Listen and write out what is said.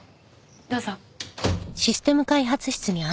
どうぞ。